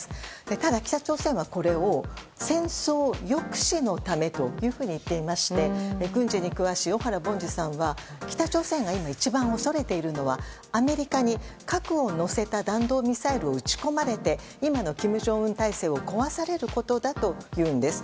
ただ、北朝鮮はこれを戦争抑止のためというふうに言っていまして軍事に詳しい小原凡司さんは北朝鮮が今一番恐れているのは、アメリカに核を載せた弾道ミサイルを撃ち込まれて今の金正恩体制を壊されることだというんです。